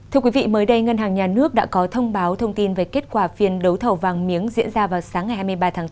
thưa quý vị mới đây ngân hàng nhà nước đã có thông báo thông tin về kết quả phiên đấu thầu vàng miếng diễn ra vào sáng ngày hai mươi ba tháng bốn